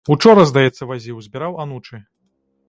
Учора, здаецца, вазіў, збіраў анучы.